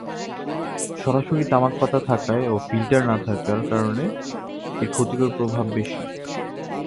সরাসরি তামাক পাতা থাকায় ও ফিল্টার না থাকার কারণে এর ক্ষতিকর প্রভাব বেশি।